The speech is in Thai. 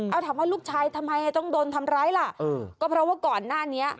เอาถามว่าลูกชายทำไมต้องโดนทำร้ายล่ะเออก็เพราะว่าก่อนหน้านี้